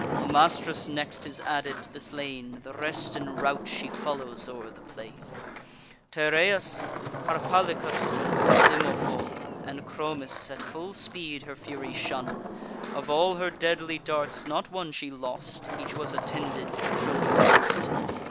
Amastrus next is added to the slain: The rest in rout she follows o'er the plain: Tereus, Harpalycus, Demophoon, And Chromis, at full speed her fury shun. Of all her deadly darts, not one she lost; Each was attended with a Trojan ghost.